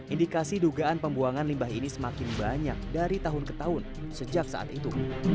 indikasi dugaan pembuangan limbah ini semakin banyak dari tahun ke tahun sejak saat itu